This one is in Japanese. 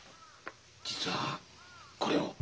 実はこれを。